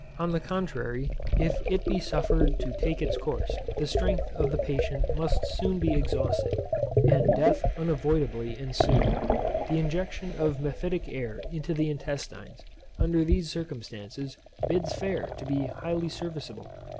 On the contrary, if it be suffered to take its course, the strength of the patient must soon be exhausted, and death unavoidably ensue. The injection of mephitic air into the intestines, under these circumstances, bids fair to be highly serviceable.